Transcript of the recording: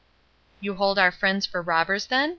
"You hold our friends for robbers, then?"